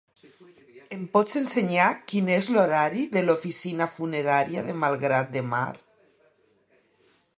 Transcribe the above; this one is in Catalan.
Em pots ensenyar quin és l'horari de l'oficina funerària de Malgrat de Mar?